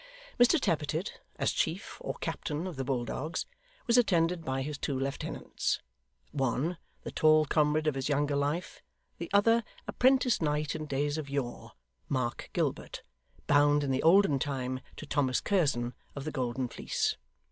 Mr Tappertit, as chief or captain of the Bulldogs, was attended by his two lieutenants; one, the tall comrade of his younger life; the other, a 'Prentice Knight in days of yore Mark Gilbert, bound in the olden time to Thomas Curzon of the Golden Fleece.